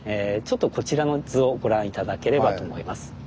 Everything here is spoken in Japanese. ちょっとこちらの図をご覧頂ければと思います。